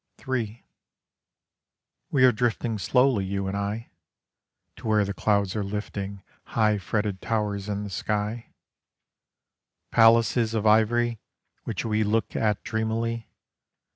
III We are drifting slowly, you and I, To where the clouds are lifting High fretted towers in the sky: Palaces of ivory, Which we look at dreamily.